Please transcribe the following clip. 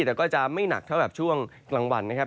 แต่ก็จะไม่หนักเท่ากับช่วงกลางวันนะครับ